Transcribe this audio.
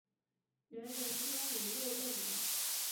元仁宗延佑六年。